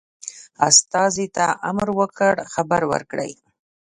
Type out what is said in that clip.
استازي ته امر وکړ خبر ورکړي.